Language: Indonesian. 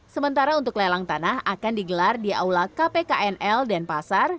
sementara untuk lelang tanah akan digelar di aula kpknl dan pasar